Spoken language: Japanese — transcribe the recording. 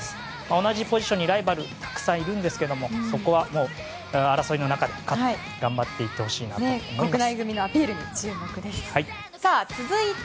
同じポジションにライバルたくさんいるんですけどそこは争いの中で頑張っていってほしいと思います。